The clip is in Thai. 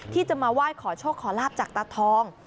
ที่จะมาไหว้ขอโชคขอลาบจากตาทอง